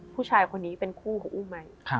ผู้ชายคนนี้เป็นคู่ของอุ้มไหม